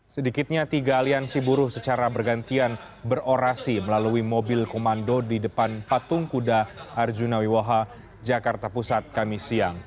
sedikitnya tiga aliansi buruh secara bergantian berorasi melalui mobil komando di depan patung kuda arjuna wiwoha jakarta pusat kami siang